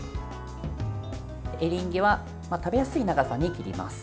エリンギは食べやすい長さに切ります。